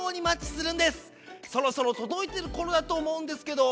そろそろとどいてるころだとおもうんですけど。